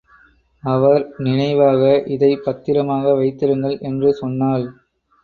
அவர் நினைவாக இதைப் பத்திரமாக வைத்திருங்கள் என்று சொன்னாள்.